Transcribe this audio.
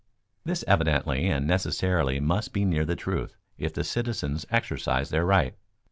_ This evidently and necessarily must be near the truth if the citizens exercise their right.